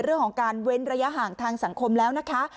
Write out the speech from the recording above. เรื่องของการเว้นระยะห่างทางสังคมแล้วนะคะ